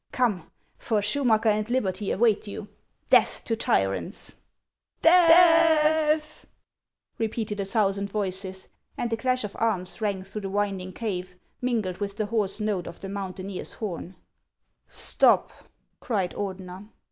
Come, for Schumacker and liberty await you. Death to tyrants •'" Death !" repeated a thousand voices ; and the clash of arms rang through the winding cave, mingled with the hoarse note of the mountaineer's horn. HANS OF ICELAND. " Stop !'' cried Ordener.